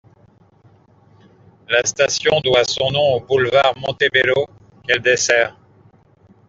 La station doit son nom au boulevard Montebello qu'elle dessert.